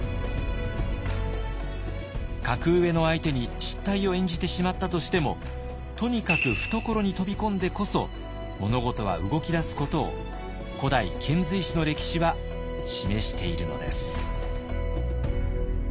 格上の相手に失態を演じてしまったとしてもとにかく懐に飛び込んでこそ物事は動き出すことを古代遣隋使の歴史は示しているのです。